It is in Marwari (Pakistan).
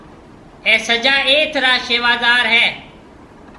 اَي سجا ايٿ را شيوادرِ هيَ۔